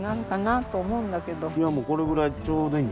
いやこれくらいちょうどいい。